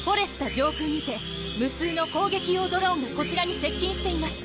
上空にて無数の攻撃用ドローンがこちらに接近しています。